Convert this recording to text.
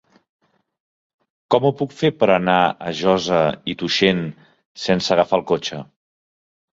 Com ho puc fer per anar a Josa i Tuixén sense agafar el cotxe?